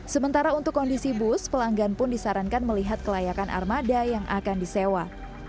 sementara untuk kondisi bus pelanggan pun disarankan melihat kelayakan armada yang akan disewa